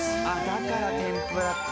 だから天ぷらって。